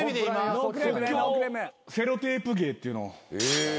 即興セロテープ芸っていうのを。